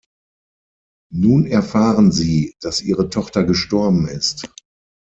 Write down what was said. Nun erfahren sie, dass ihre Tochter gestorben ist.